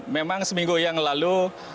memang seminggu yang lalu